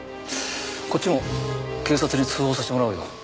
こっちも警察に通報させてもらうよ。